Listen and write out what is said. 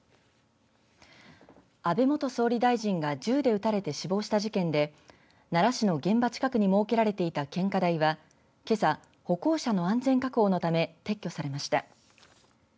安倍元総理大臣が銃で撃たれて死亡した事件で奈良市の現場近くに設けられていた献花台がけさ歩行者の安全確保のため撤去されました。